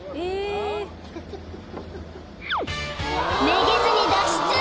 ［めげずに脱出！